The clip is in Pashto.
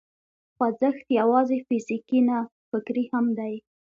خوځښت یوازې فزیکي نه، فکري هم دی.